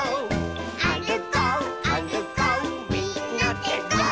「あるこうあるこうみんなでゴー！」